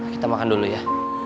kita makan dulu ya